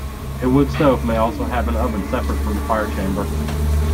A wood stove may also have an oven separate from the fire chamber.